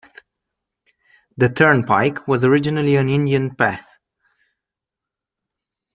The turnpike was originally an Indian path.